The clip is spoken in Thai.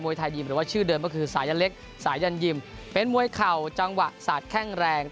ไทยยิมหรือว่าชื่อเดิมก็คือสายันเล็กสายันยิมเป็นมวยเข่าจังหวะสาดแข้งแรง